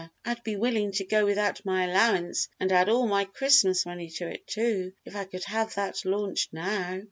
I'd be willing to go without my allowance and add all my Christmas money to it, too, if I could have that launch now!"